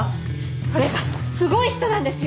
それがすごい人なんですよ！